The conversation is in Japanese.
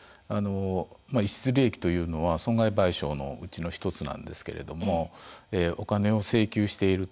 逸失利益というのは損害賠償のうちの１つなんですけれどもお金を請求している。